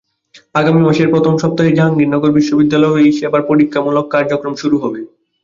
আগামী মাসের প্রথম সপ্তাহে জাহাঙ্গীরনগর বিশ্ববিদ্যালয়েও এই সেবার পরীক্ষামূলক কার্যক্রম শুরু হবে।